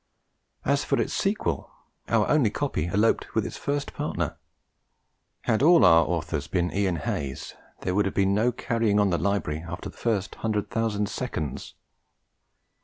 As for its sequel, our only copy eloped with its first partner: had all our authors been Ian Hays there would have been no carrying on the library after the first hundred thousand seconds.